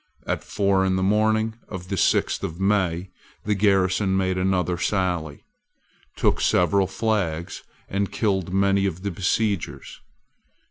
At four in the morning of the sixth of May, the garrison made another sally, took several flags, and killed many of the besiegers.